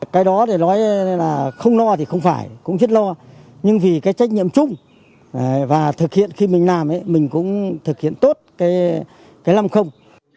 cái đó nói là không lo thì không phải cũng chết lo nhưng vì cái trách nhiệm chung và thực hiện khi mình làm mình cũng thực hiện tốt cái lâm không